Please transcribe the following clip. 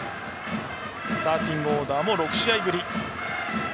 スターティングオーダーも６試合ぶり。